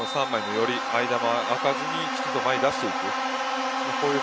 間も開かずにきちんと前に出していく。